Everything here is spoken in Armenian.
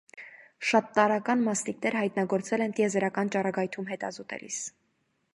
Շատ տարրական մասնիկներ հայտնագործվել են տիեզերական ճառագայթում հետազոտելիս։